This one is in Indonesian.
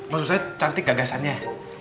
masuk saya cantik gagasannya